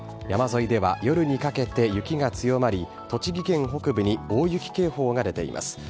山沿いでは夜にかけて雪が強まり、栃木県北部に大雪警報が出ています。